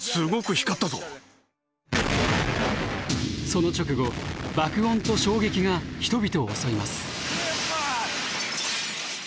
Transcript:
その直後爆音と衝撃が人々を襲います。